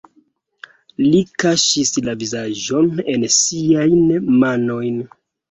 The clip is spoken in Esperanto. Li kaŝis la vizaĝon en siajn manojn.